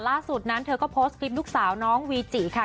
ล่าสุดนั้นเธอก็โพสต์คลิปลูกสาวน้องวีจิค่ะ